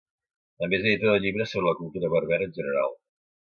També és editor de llibres sobre la cultura berber en general.